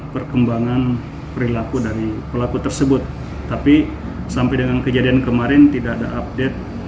perkembangan perilaku dari pelaku tersebut tapi sampai dengan kejadian kemarin tidak ada update